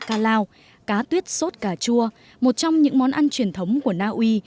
bạc ca lao cá tuyết sốt cà chua một trong những món ăn truyền thống của naui